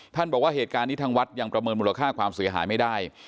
บอกว่าเหตุการณ์นี้ทางวัดยังประเมินมูลค่าความเสียหายไม่ได้